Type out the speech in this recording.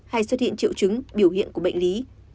hay xuất hiện triệu chứng biểu hiện của bệnh lý